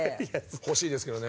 欲しいですけどね。